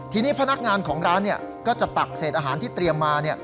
ทีนี้พนักงานของร้านก็จะตักเศษอาหารที่เตรียมมา